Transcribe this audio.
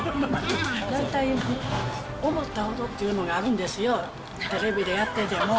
大体、思ったほどっていうのがあるんですよ、テレビでやってても。